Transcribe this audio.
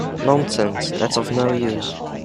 Nonsense; that's of no use.